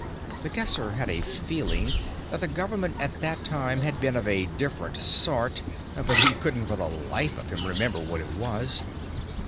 The Guesser had a feeling that the government at that time had been of a different sort, but he couldn't for the life of him remember what it was.